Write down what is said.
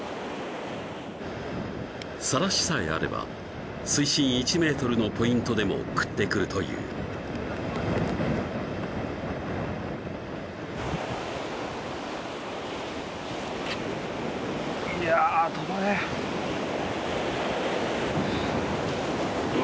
サラシさえあれば水深１ｍのポイントでも食ってくるといういや飛ばねぇうわ